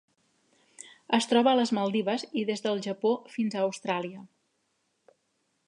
Es troba a les Maldives i des del Japó fins a Austràlia.